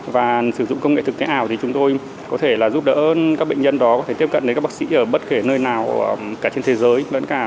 và sử dụng công nghệ thực tế ảo thì chúng tôi có thể giúp đỡ các bệnh nhân đó có thể tiếp cận đến các bác sĩ ở bất kể nơi nào cả trên thế giới